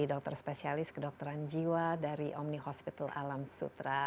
dokter spesialis kedokteran jiwa dari omni hospital alam sutra